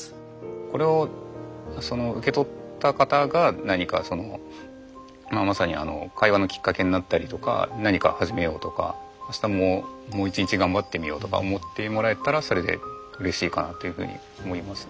これをその受け取った方が何かそのまあまさにあの会話のきっかけになったりとか何か始めようとか明日もう一日頑張ってみようとか思ってもらえたらそれでうれしいかなというふうに思いますね。